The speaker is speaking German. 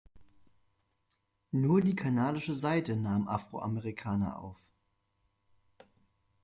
Nur die kanadische Seite nahm Afroamerikaner auf.